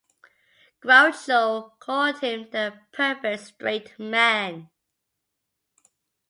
Groucho called him the perfect straight man.